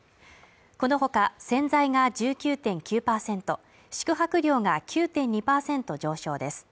この他、洗剤が１９．９％、宿泊料が９．２％上昇です。